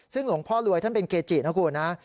ซึ่งหลวงพ่อรวยท่านเป็นเกจินะคุณนะ